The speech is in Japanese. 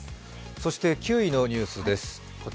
そして９位のニュースです。